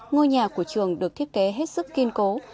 ngôi nhà của trường được thiết kế hết sức kiên cố